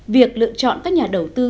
việc lựa chọn các nhà đầu tư